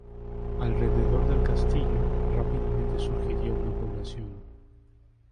Alrededor del castillo, rápidamente surgiría una población.